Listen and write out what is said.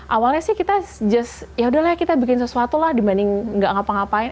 awalnya sih kita just yaudahlah kita bikin sesuatu lah dibanding gak ngapa ngapain